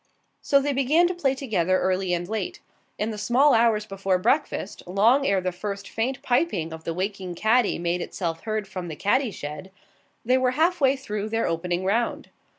So they began to play together early and late. In the small hours before breakfast, long ere the first faint piping of the waking caddie made itself heard from the caddie shed, they were half way through their opening round.